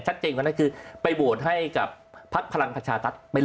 ชัดเจนกว่านั้นคือไปโหวตให้กับพักพลังประชาธิปัตย์ไปเลย